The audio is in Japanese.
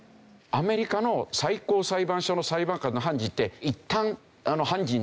アメリカの最高裁判所の裁判官の判事っていったん判事になるとですね